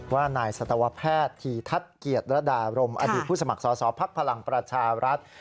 ว่านายสัตวแพทย์ธีทัศน์เกียรติรดารมอดีตผู้สมัครสอสอภักดิ์พลังประชารัฐ